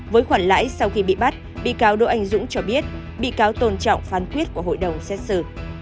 với khoản lãi sau khi bị bắt bị cáo đỗ anh dũng cho biết bị cáo tôn trọng phán quyết của hội đồng xét xử